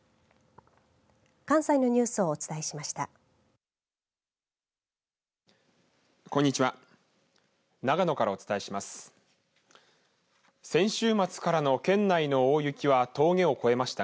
関西のニュースをお伝えしました。